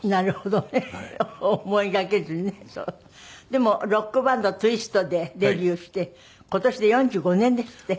でもロックバンドツイストでデビューして今年で４５年ですって？